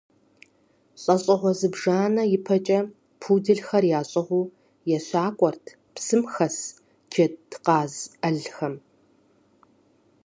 Лӏэщӏыгъуэ зыбжанэ ипэкӏэ пуделхэр ящӏыгъуу ещакӏуэрт псым хэс джэдкъаз ӏэлхэм.